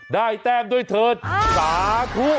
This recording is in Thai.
ได้แต้งด้วยเถิดสาธุ